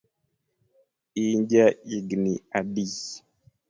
In ja igni adi?